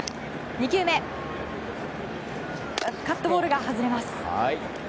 ２球目、カットボールが外れます。